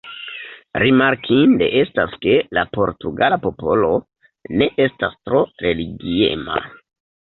Rimarkinde estas ke la portugala popolo ne estas tro religiema.